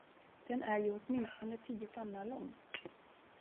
Den är ju åtminstone tio famnar lång.